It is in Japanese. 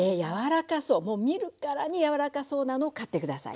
見るからに柔らかそうなのを買って下さい。